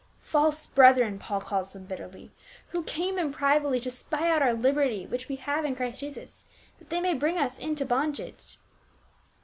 " False brethren," Paul calls them bitterly,* " who came in privily to spy out our liberty which we have in Christ Jesus, that they may bring us into bondage."